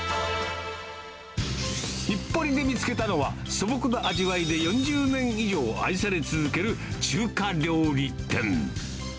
日暮里で見つけたのは、素朴な味わいで４０年以上愛され続ける中華料理店。